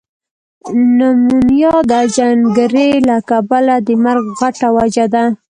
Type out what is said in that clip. نمونیا ده جنګری له کبله ده مرګ غټه وجه ده۔